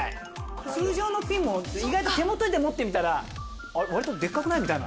通常のピンも意外と手元で持ってみたら割とでかくない？みたいな。